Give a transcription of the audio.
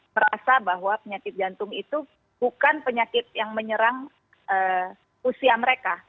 merasa bahwa penyakit jantung itu bukan penyakit yang menyerang usia mereka